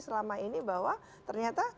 selama ini bahwa ternyata